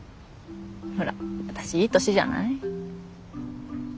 ほら私いい年じゃない？